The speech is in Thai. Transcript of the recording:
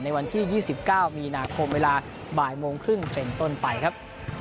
วันที่๒๙มีนาคมเวลาบ่ายโมงครึ่งเป็นต้นไปครับ